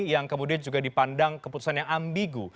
yang kemudian juga dipandang keputusan yang ambigu